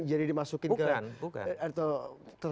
jadi dimasukin ke